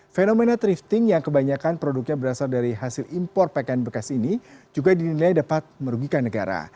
fenomena thrifting yang kebanyakan produknya berasal dari hasil impor pakaian bekas ini juga dinilai dapat merugikan negara